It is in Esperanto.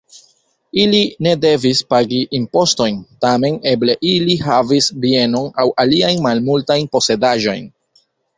Ili ne devis pagi impostojn, tamen eble ili havis bienon aŭ aliajn malmultajn posedaĵojn.